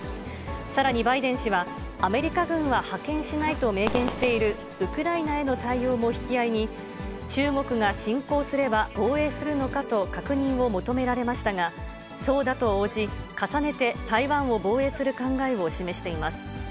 さらにバイデン氏は、アメリカ軍は派遣しないと明言しているウクライナへの対応もえ引き合いに、中国が侵攻すれば、防衛するのかと確認を求められましたが、そうだと応じ、重ねて台湾を防衛する考えを示しています。